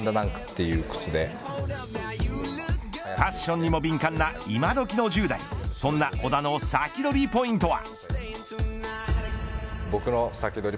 ファッションにも敏感ないまどきの１０代そんな小田のサキドリポイントは。